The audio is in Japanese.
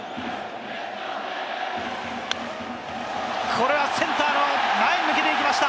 これはセンターの前に抜けていきました！